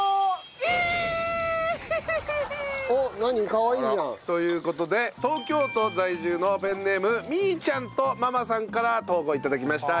かわいいじゃん。という事で東京都在住のペンネームみーちゃんとママさんから投稿頂きました。